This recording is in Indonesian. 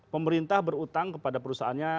pemerintah berutang kepada perusahaannya